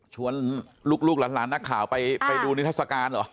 ลูกหลานนักข่าวไปดูนิทัศกาลเหรอ